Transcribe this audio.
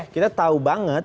kita tahu banget